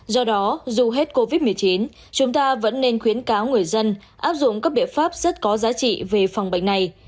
do đó dù hết covid một mươi chín chúng ta vẫn nên khuyến cáo người dân áp dụng các biện pháp rất có giá trị về phòng bệnh này